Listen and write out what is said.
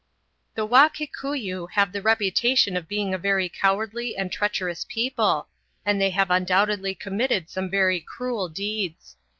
The Wa Kikuyu have the reputation of being a very cowardly and treacherous people, and they have undoubtedly committed some very cruel deeds.